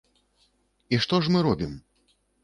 І што ж мы робім?